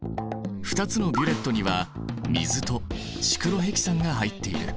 ２つのビュレットには水とシクロヘキサンが入っている。